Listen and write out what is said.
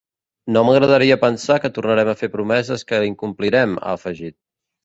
No m’agradaria pensar que tornarem a fer promeses que incomplirem, ha afegit.